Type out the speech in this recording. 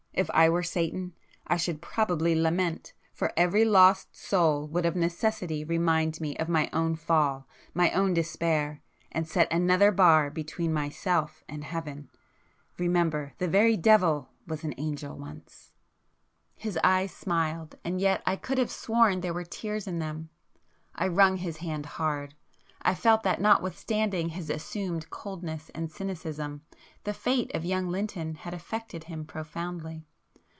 If I were Satan I should probably lament!—for every lost soul would of necessity remind me of my own fall, my own despair,—and set another [p 116] bar between myself and heaven! Remember,—the very Devil was an Angel once!" His eyes smiled, and yet I could have sworn there were tears in them. I wrung his hand hard,—I felt that notwithstanding his assumed coldness and cynicism, the fate of young Lynton had affected him profoundly.